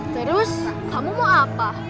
terus kamu mau apa